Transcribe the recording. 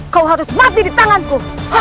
kau harus mati di tanganku